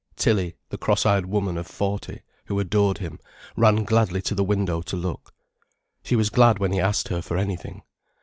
Tilly, the cross eyed woman of forty, who adored him, ran gladly to the window to look. She was glad when he asked her for anything.